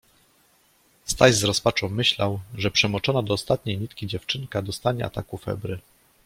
Staś z rozpaczą myślał, że przemoczona do ostatniej nitki dziewczynka dostanie ataku febry.